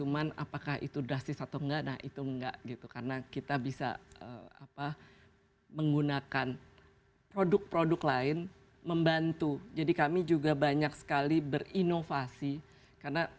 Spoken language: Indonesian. manusia yang cukup besar